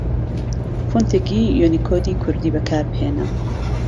فۆنتێکی یوونیکۆدی کوردی بەکاربهێنە